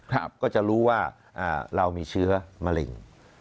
ก็จะรู้ว่าเรามีเชื้อมะเร็ง